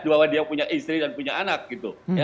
bahwa dia punya istri dan punya anak gitu